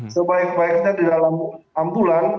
sebaik baiknya di dalam ambulan